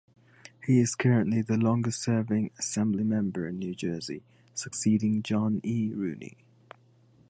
He is currently the longest-serving Assemblymember in New Jersey, succeeding John E. Rooney.